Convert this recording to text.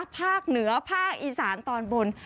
ภาคเหนือภาคอีสานตอนบน